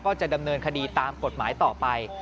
จะดำเนินคดีตามกฎหมายต่อไป